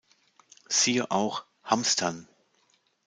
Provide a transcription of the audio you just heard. Siehe auch: hamstern.